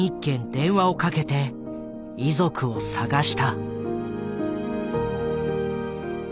電話をかけて遺族を探した。